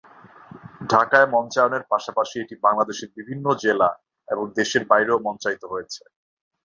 ঢাকায় মঞ্চায়নের পাশাপাশি এটি বাংলাদেশের বিভিন্ন জেলা এবং দেশের বাইরেও মঞ্চায়িত হয়েছে।